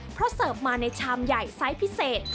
เพราะเสิร์ฟมาในชามใหญ่ไซส์พิเศษ